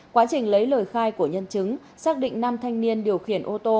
quá trình lấy lời khai của nhân chứng xác định nam thanh niên điều khiển ô tô